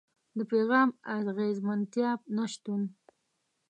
د پيغام د اغېزمنتيا نشتون.